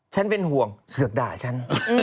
เป็นห่วงเสือกด่าฉัน